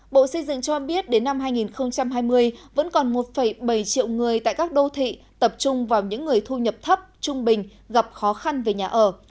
bộ xây dựng cho biết đến năm hai nghìn hai mươi vẫn còn một bảy triệu người tại các đô thị tập trung vào những người thu nhập thấp trung bình gặp khó khăn về nhà ở